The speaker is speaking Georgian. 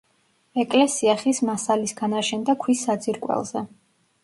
ეკლესია ხის მასალისგან აშენდა ქვის საძირკველზე.